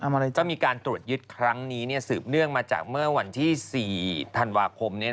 ก็มีการตรวจยึดครั้งนี้สืบเนื่องมาจากเมื่อวันที่๔ธันวาคม